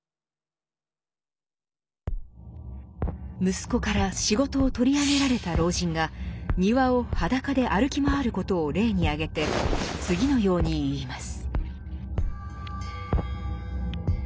息子から仕事を取り上げられた老人が庭を裸で歩き回ることを例に挙げて次のように言います。